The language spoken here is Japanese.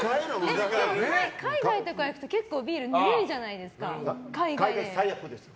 海外行くと、結構ビールぬるいじゃないですか。